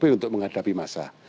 sop untuk menghadapi masa